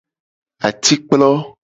Atikplo.